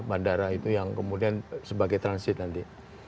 bandara itu yang kemudian sebagai transit nanti